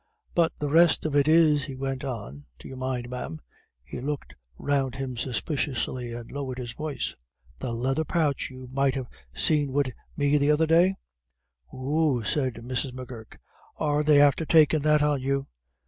"But the best of it is," he went on, "do you mind, ma'am" he looked round him suspiciously and lowered his voice "the leather pouch you might ha' seen wid me the other day?" "Whoo!" said Mrs. M'Gurk, "are they after takin' that on you?